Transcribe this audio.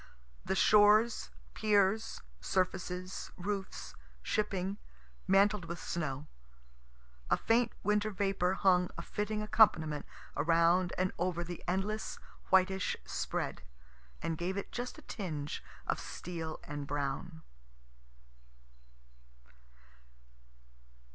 The shores, piers, surfaces, roofs, shipping, mantled with snow. A faint winter vapor hung a fitting accompaniment around and over the endless whitish spread, and gave it just a tinge of steel and brown.